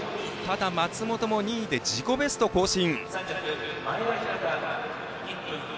松本も２位で自己ベスト更新。